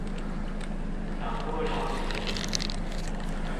想多了解